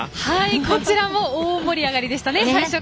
こちらも大盛り上がりでした。